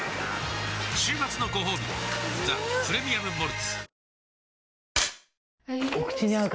週末のごほうび「ザ・プレミアム・モルツ」